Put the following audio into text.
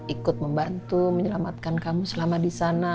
ikut membantu menyelamatkan kamu selama di sana